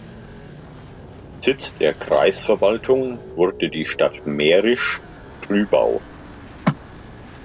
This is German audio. Sitz der Kreisverwaltung wurde die Stadt Mährisch Trübau.